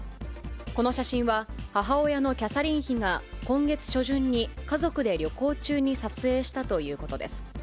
この写真は、母親のキャサリン妃が今月初旬に家族で旅行中に撮影したということです。